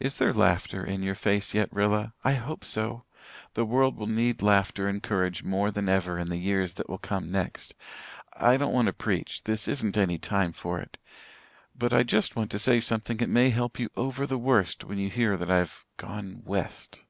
"Is there laughter in your face yet, Rilla? I hope so. The world will need laughter and courage more than ever in the years that will come next. I don't want to preach this isn't any time for it. But I just want to say something that may help you over the worst when you hear that I've gone 'west.'